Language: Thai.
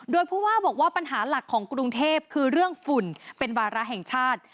โดยผู้ว่าบอกว่าปัญหาหลักของกรุงเทพคือเรื่องฝุ่นเป็นวาระแห่งชาติ